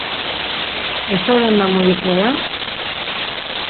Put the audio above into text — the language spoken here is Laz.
Eşorenna mu iqveren?